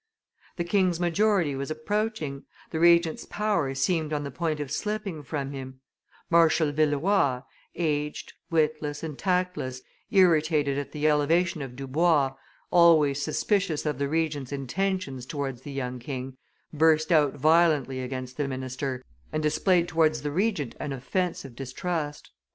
The king's majority was approaching, the Regent's power seemed on the point of slipping from him; Marshal Villeroy, aged, witless, and tactless, irritated at the elevation of Dubois, always suspicious of the Regent's intentions towards the young king, burst out violently against the minister, and displayed towards the Regent an offensive distrust.